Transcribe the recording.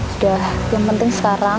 sudah yang penting sekarang